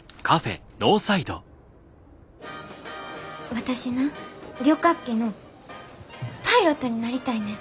私な旅客機のパイロットになりたいねん。